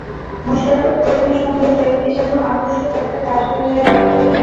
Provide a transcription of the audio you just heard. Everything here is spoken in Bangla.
মোশাররফ করিমের সঙ্গে সেলফি যেন আবশ্যক একটা কাজ হয়ে যায় ভক্তদের জন্য।